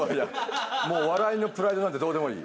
もう笑いのプライドなんてどうでもいい。